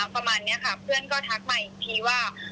ประมาณนี้ค่ะเพื่อนก็ทักมาอีกทีว่า